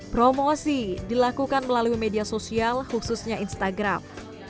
promosi dilakukan melalui media sosial khususnya instagram